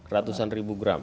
ratusan ribu gram